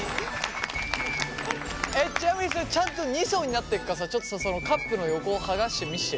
ちなみにそれちゃんと２層になってるかちょっとそのカップの横を剥がして見してよ。